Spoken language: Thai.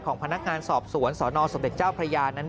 พนักงานสอบสวนสนสมเด็จเจ้าพระยานั้น